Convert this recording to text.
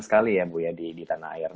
sekali ya bu ya di tanah air